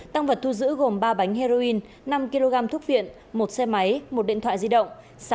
tăng vật thu giữ gồm ba bánh heroin năm kg thuốc viện một xe máy một điện thoại di động